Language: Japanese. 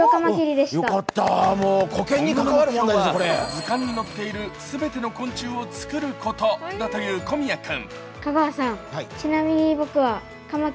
今後の目標は図鑑に載っている全ての昆虫を作ることだという小宮君。